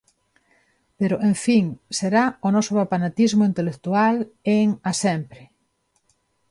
Pero, en fin, será o noso papanatismo intelectual, en A sempre.